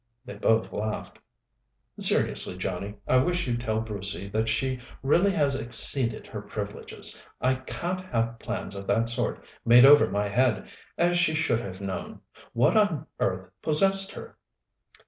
They both laughed. "Seriously, Johnnie, I wish you'd tell Brucey that she really has exceeded her privileges. I can't have plans of that sort made over my head, as she should have known. What on earth possessed her?"